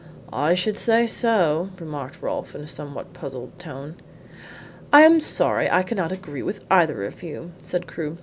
"I should say so," remarked Rolfe, in a somewhat puzzled tone. "I am sorry I cannot agree with either of you," said Crewe.